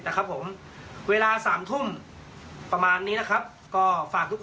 ต่อยที่๔๒ไม่มาก็จบกูยึด